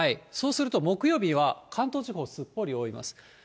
そうすると、木曜日は関東地方をすっぽり覆います。